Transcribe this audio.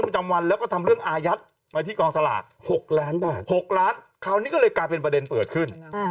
จำวันแล้วก็ทำเรื่องอายัดไว้ที่กองสลาก๖ล้านบาท๖ล้านคราวนี้ก็เลยกลายเป็นประเด็นเปิดขึ้น